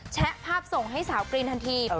แชะภาพส่งให้สาวกรีนทันที